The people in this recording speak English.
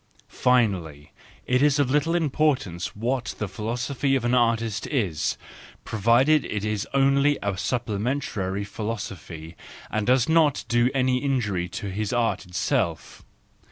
—Finally, it is of little importance what the philosophy of an artist is, provided it is only a supplementary philosophy, and does not do any injury to his art itself.